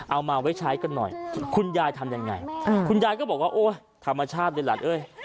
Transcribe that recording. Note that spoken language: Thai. เอาไว้ใช้กันหน่อยคุณยายทำยังไงคุณยายก็บอกว่าโอ๊ยธรรมชาติเลยหลานเอ้ย